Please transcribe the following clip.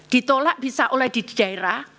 ditolak bisa oleh di daerah